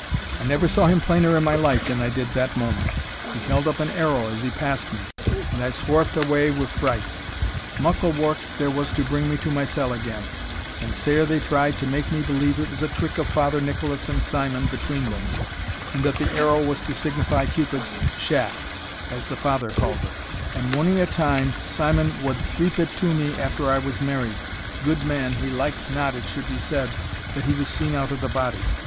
I never saw him plainer in my life than I did that moment; he held up an arrow as he passed me, and I swarf'd awa wi' fright. Muckle wark there was to bring me to mysell again, and sair they tried to make me believe it was a trick of Father Nicolas and Simon between them, and that the arrow was to signify Cupid's shaft, as the Father called it; and mony a time Simon wad threep it to me after I was married gude man, he liked not it should be said that he was seen out o' the body!